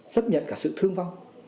chấp nhận cả sự thương vong